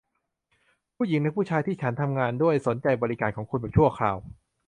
ผู้หญิงและผู้ชายที่ฉันทำงานด้วยสนใจบริการของคุณแบบชั่วคราว